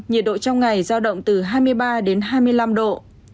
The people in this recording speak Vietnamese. nhiệt độ trong ngày giao động từ hai mươi ba đến hai mươi năm độ